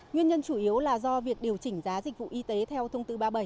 nguyên nhân chủ yếu là do việc điều chỉnh giá dịch vụ y tế theo thông tư ba mươi bảy